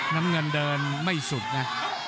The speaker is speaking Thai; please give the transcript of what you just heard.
น้ำเงินเดินไม่สุดนะ